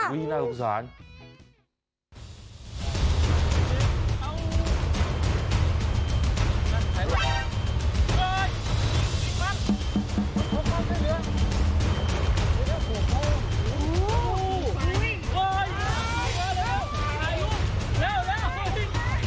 อุ๊ยน่าสนุกสวัสดิ์